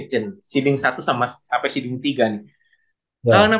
seeding satu sama sampai seeding tiga